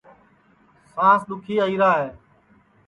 سانٚس دُؔکھی آئیرا ہے